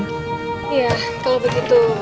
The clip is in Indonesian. ya kalau begitu